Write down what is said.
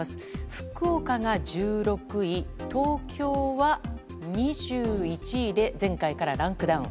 福岡が１６位、東京は２１位で前回からランクダウン。